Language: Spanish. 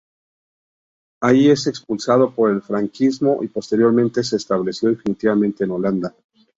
Allí es expulsado por el franquismo y posteriormente se estableció definitivamente en Holanda.